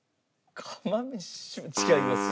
違います。